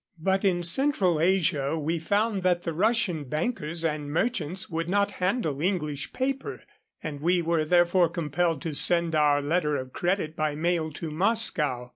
But in central Asia we found that the Russian bankers and merchants would not handle English paper, and we were therefore compelled to send our letter of credit by mail to Moscow.